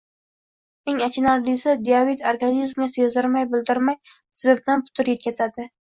Eng achinarlisi, diabet organizmga sezdirmay-bildirmay, zimdan putur yetkazadi